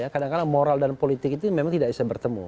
kadang kadang moral dan politik itu memang tidak bisa bertemu